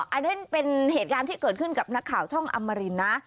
อันนี้เป็นเหตุการณ์ที่เกิดขึ้นกับนักข่าวช่องอมรินนะ